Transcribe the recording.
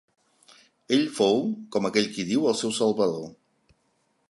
Ell fou, com aquell qui diu, el seu salvador.